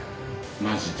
マジで。